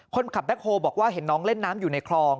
แบ็คโฮบอกว่าเห็นน้องเล่นน้ำอยู่ในคลอง